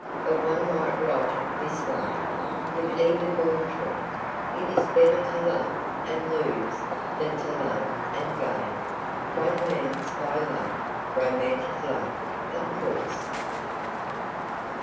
But one might write it this way, with even more truth: "It is better to love and lose than to love and gain." One means by love, romantic love, of course.